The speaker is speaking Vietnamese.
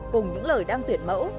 cùng những lời đăng tuyển mẫu